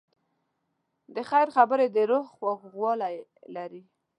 د خیر خبرې د روح خوږوالی لري.